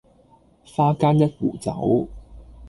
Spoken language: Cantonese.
花間一壺酒，